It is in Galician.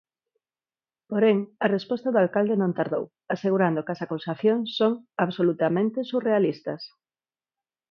Porén, a resposta do alcalde non tardou, asegurando que as acusacións son "absolutamente surrealistas".